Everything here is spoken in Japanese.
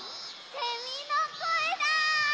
セミのこえだ！